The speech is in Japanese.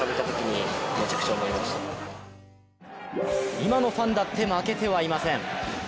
今のファンだって負けてはいません。